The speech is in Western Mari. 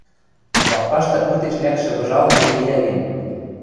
Лапкашты утеш лӓкшӹ выжалыде киӓ гӹнь